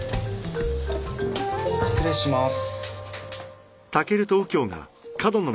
失礼します。